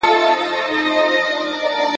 څوک به څرنګه منتر د شیطان مات کړي ..